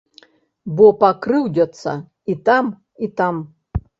Бо пакрыўдзяцца і там, і там.